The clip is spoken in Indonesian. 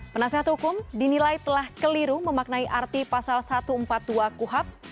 penasehat hukum dinilai telah keliru memaknai arti pasal satu ratus empat puluh dua kuhap